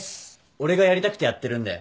俺がやりたくてやってるんで。